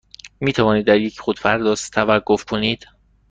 می توانید در یک خودپرداز توقف کنید؟